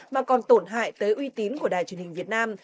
mà còn tổn hại tới uy tín của đài truyền hình việt nam